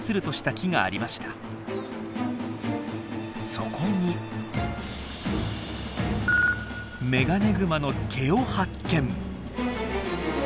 そこにメガネグマの毛を発見。